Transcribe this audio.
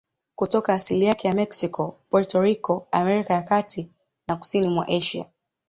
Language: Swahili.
Kutoka asili yake ya Meksiko, Puerto Rico, Amerika ya Kati na kusini mwa Asia.